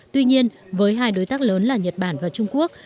tuy nhiên với hai đối tác lớn là nhật bản và trung quốc